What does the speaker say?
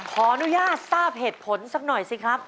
ขออนุญาตทราบเหตุผลสักหน่อยสิครับ